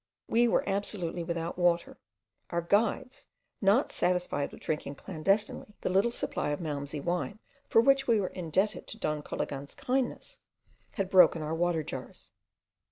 We were absolutely without water; our guides, not satisfied with drinking clandestinely the little supply of malmsey wine, for which we were indebted to Don Cologan's kindness, had broken our water jars.